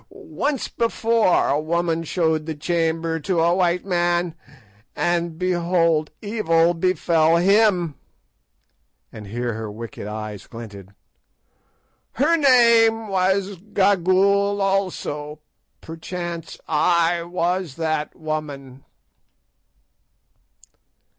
_ Once before a woman showed the chamber to a white man, and behold! evil befell him," and here her wicked eyes glinted. "Her name was Gagool also. Perchance I was that woman."